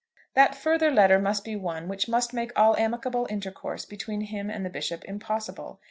That further letter must be one which must make all amicable intercourse between him and the Bishop impossible.